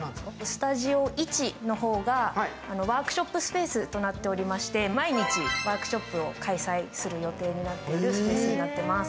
スタジオ１の方がワークショップスペースになっておりまして毎日ワークショップを開催する予定になっているスペースになっています。